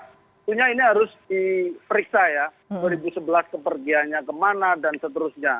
tentunya ini harus diperiksa ya dua ribu sebelas kepergiannya kemana dan seterusnya